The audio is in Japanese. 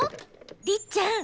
りっちゃん。